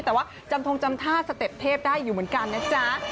แต่ว่าจำทงจำท่าสเต็ปเทพได้อยู่เหมือนกันนะจ๊ะ